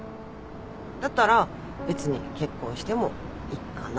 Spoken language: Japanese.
だったら別に結婚してもいっかなって。